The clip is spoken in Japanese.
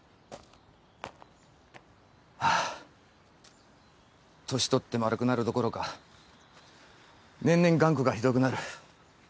ハァ年取って丸くなるどころか年々頑固がひどくなる。